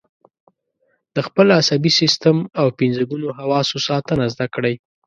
د خپل عصبي سیستم او پنځه ګونو حواسو ساتنه زده کړئ.